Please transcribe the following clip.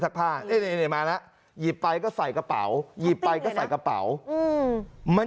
มาแล้วหยิบไปก็ใส่กระเป๋าหยิบไปก็ใส่กระเป๋าไม่